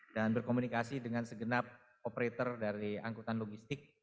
dan berkomunikasi dengan segenap operator dari angkutan logistik